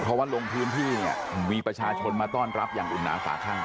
เพราะว่าลงพื้นที่เนี่ยมีประชาชนมาต้อนรับอย่างอุ่นหนาฝากข้าง